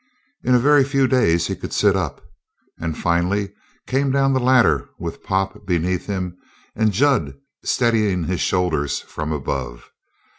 In a very few days he could sit up, and finally came down the ladder with Pop beneath him and Jud steadying his shoulders from above.